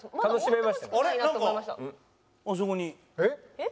えっ？